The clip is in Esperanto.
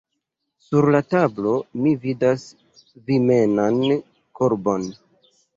Sur la tablo mi vidas vimenan korbon.